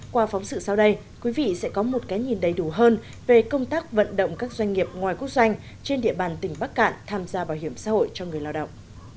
qua phóng sự sau đây quý vị sẽ có một cái nhìn đầy đủ hơn về công tác vận động các doanh nghiệp ngoài quốc doanh trên địa bàn tỉnh bắc cạn tham gia bảo hiểm xã hội cho người lao động